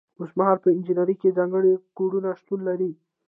اوس مهال په انجنیری کې ځانګړي کوډونه شتون لري.